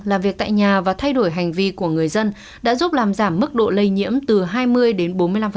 làm việc tại nhà và thay đổi hành vi của người dân đã giúp làm giảm mức độ lây nhiễm từ hai mươi đến bốn mươi năm